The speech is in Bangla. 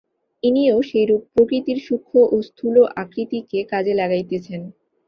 ইনিও সেইরূপ প্রকৃতির সূক্ষ্ম ও স্থূল আকৃতিকে কাজে লাগাইতেছেন।